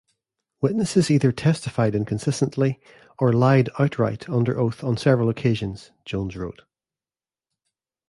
"Witnesses either testified inconsistently, or lied outright under oath on several occasions," Jones wrote.